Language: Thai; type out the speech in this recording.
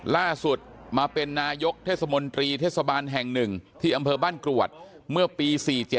ล่าสุดมาเป็นนายกเทศมนตรีเทศบาลแห่ง๑ที่อำเภอบ้านกรวดเมื่อปี๔๗